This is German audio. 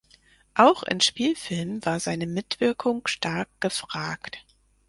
Auch in Spielfilmen war seine Mitwirkung stark gefragt.